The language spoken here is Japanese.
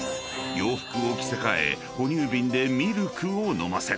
［洋服を着せ替え哺乳瓶でミルクを飲ませる］